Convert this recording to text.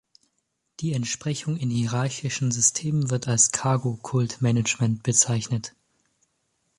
Die Entsprechung in hierarchischen Systemen wird als Cargo-Kult-Management bezeichnet.